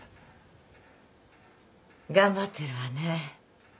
頑張ってるわね